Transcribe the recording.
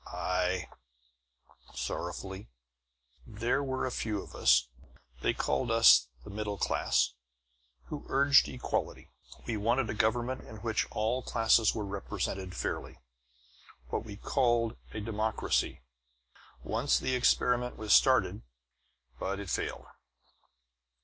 "Aye," sorrowfully. "There were a few of us they called us 'the middle class' who urged equality. We wanted a government in which all classes were represented fairly; what we called a democracy. Once the experiment was started, but it failed.